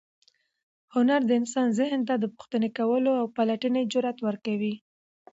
هنر د انسان ذهن ته د پوښتنې کولو او پلټنې جرات ورکوي.